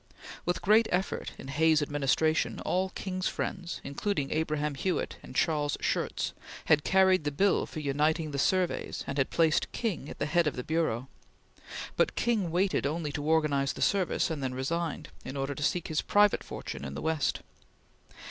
With great effort, in Hayes's administration, all King's friends, including Abram Hewitt and Carl Schurz, had carried the bill for uniting the Surveys and had placed King at the head of the Bureau; but King waited only to organize the service, and then resigned, in order to seek his private fortune in the West.